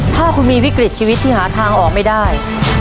ถ้าคุณมีวิกฤตชีวิตที่หาทางออกไม่ได้